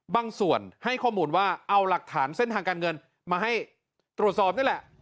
ส่วนให้ข้อมูลว่าเอาหลักฐานเส้นทางการเงินมาให้ตรวจสอบนี่แหละ